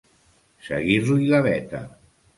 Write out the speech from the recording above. Seguir-li la veta.